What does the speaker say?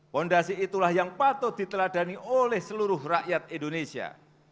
fondasi itulah yang patut diteladani oleh seluruh rakyat indonesia